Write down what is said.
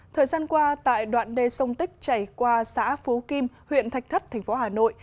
thời gian qua tại đoạn đê sông tích chảy qua xã phú kim huyện thạch thất tp hà nội